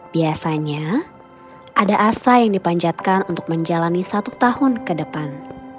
biasanya ada asa yang dipanjatkan untuk menjalani satu tahun ke depan